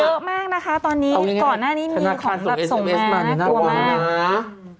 เยอะมากนะคะตอนนี้ก่อนหน้านี้มีของแบบส่งมาน่ากลัวมาก